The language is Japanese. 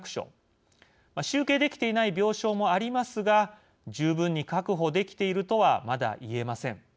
集計できていない病床もありますが十分に確保できているとはまだいえません。